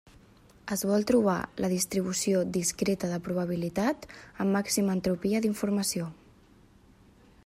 Es vol trobar la distribució discreta de probabilitat amb màxima entropia d'informació.